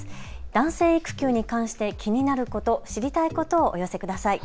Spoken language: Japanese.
男性育休に関して気になること、知りたいことをお寄せください。